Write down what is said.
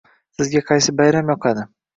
Sizga qaysi bayram yoqadi?